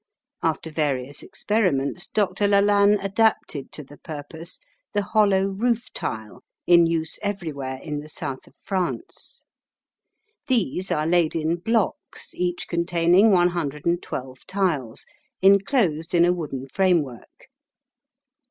After various experiments Dr. Lalanne adapted to the purpose the hollow roof tile in use everywhere in the South of France. These are laid in blocks, each containing one hundred and twelve tiles, enclosed in a wooden framework.